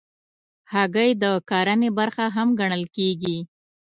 هګۍ د کرنې برخه هم ګڼل کېږي.